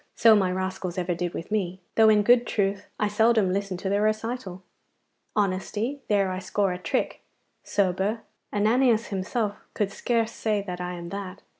So my rascals ever did with me, though in good truth I seldom listened to their recital. Honesty there I score a trick. Sober Ananias himself could scarce say that I am that.